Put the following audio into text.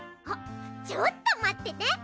あっちょっとまってて。